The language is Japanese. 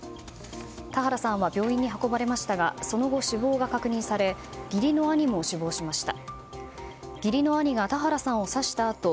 田原さんは病院に運ばれましたがその後、死亡が確認され義理の兄も死亡しました。